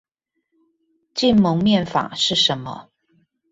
禁蒙面法是什麼？